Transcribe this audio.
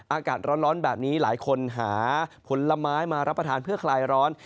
อากาศร้อนแบบนี้หลายคนหาผลไม้มารับประทานเพื่อคลายร้อน